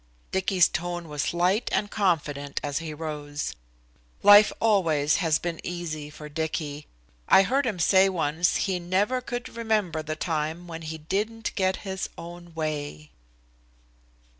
Dicky's tone was light and confident as he rose. Life always has been easy for Dicky. I heard him say once he never could remember the time when he didn't get his own way.